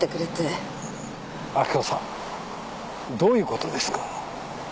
明子さんどういうことですか？